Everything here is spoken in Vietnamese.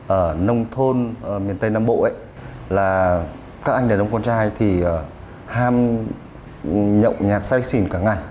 ở nông thôn miền tây nam bộ là các anh đàn ông con trai thì ham nhộng nhạt say xỉn cả ngày